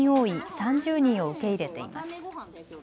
３０人を受け入れています。